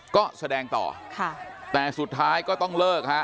ก็แสดงต่อค่ะแต่สุดท้ายก็ต้องเลิกฮะ